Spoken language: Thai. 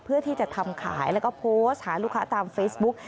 เพื่อที่จะทำขายแล้วก็โพสต์หาลูกค้าตามเฟซบุ๊ก